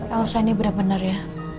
elsa ini benar benar ya